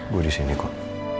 gue disini kok